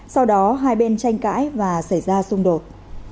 sau đó hai bên tranh cãi và xảy ra xung đột